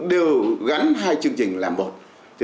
đều gắn hai chương trình làm một